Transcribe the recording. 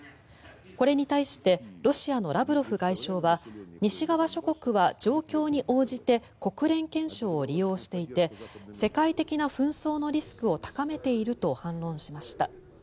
これに対してロシアのラブロフ外相は西側諸国は状況に応じて国連憲章を利用していて世界的な紛争のリスクを高めていると反論しました。